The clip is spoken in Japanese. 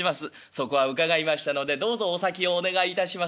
そこは伺いましたのでどうぞお先をお願いいたします」。